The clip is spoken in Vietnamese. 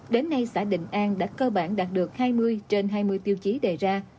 đến nay xã định an đã cơ bản đạt được hai mươi trên hai mươi tiêu chí đề ra